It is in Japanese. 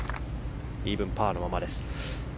イーブンパーのままです。